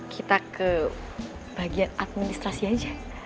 kita ke bagian administrasi aja